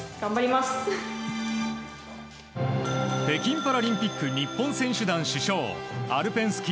北京パラリンピック日本選手団主将アルペン